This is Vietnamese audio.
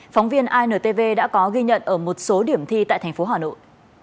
phóng viên intv đã có ghi nhận ở một số điểm thi tại thành phố hà nội